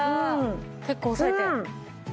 結構押さえて。